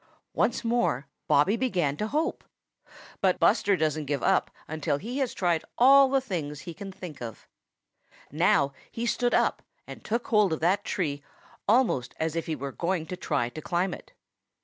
Once more Bobby began to hope. But Buster Bear isn't one to give up easily. No, Sir, Buster doesn't give up until he has tried all the things he can think of. Now he stood up and took hold of that tree almost as if he were going to try to climb it.